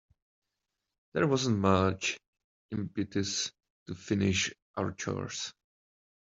There wasn't much impetus to finish our chores.